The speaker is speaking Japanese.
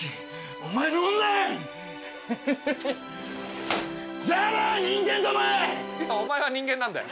お前は人間なんだよ。